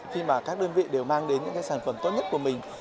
khi mà các đơn vị đều mang đến những cái sản phẩm tốt nhất của mình